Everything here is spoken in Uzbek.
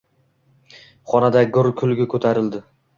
Xonada gurr kulgi ko`tarildi